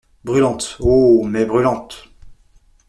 Brûlantes ! oh ! mais brûlantes !